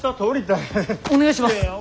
お願いします！